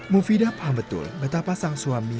mufidah paham betul betapa sang suami